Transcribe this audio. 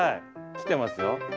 来てますよ。